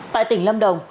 tại tỉnh lâm đồng